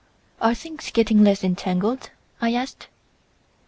"Are things getting less entangled?" I asked.